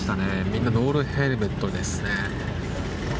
みんなノーヘルメットです。